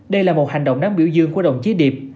đây là một hành động đáng biểu dương của đồng chí điệp